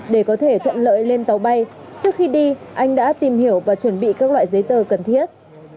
để có thể thuận lợi lên tàu bay trước khi đi anh đã tìm hiểu và chuẩn bị các loại giấy tờ cần thiết